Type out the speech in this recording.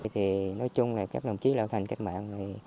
thì nói chung là các đồng chí lão thành cách mạng